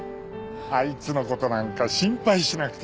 あいつの事なんか心配しなくていいの！